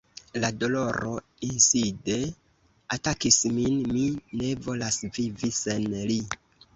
La doloro inside atakis min: mi ne volas vivi sen li.